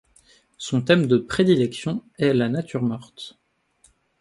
Son thème de prédilection est la nature morte.